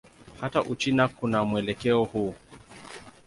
Hata Uchina kuna mwelekeo huu.